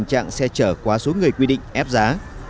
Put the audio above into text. tình trạng xe chở quá số người quy định ép giá